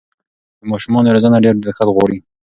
د ماشومانو روزنه ډېر دقت غواړي.